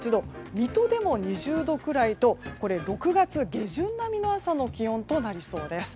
水戸でも２０度くらいとこれ、６月下旬並みの朝の気温となりそうです。